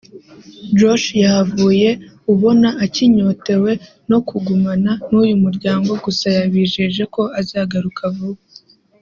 Josh yahavuye ubona akinyotewe no kugumana n’uyu muryango gusa yabijeje ko azagaruka vuba